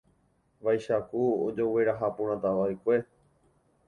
Vaicháku ojoguerahaporãtavaʼekue.